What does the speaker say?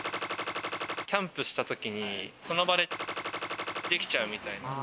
キャンプした時にその場でできちゃうみたいな。